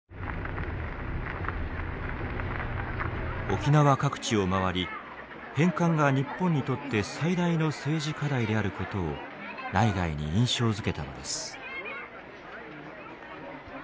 沖縄各地を回り返還が日本にとって最大の政治課題であることを内外に印象づけたのです。